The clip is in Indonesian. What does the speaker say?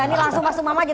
ya ini langsung mas umam aja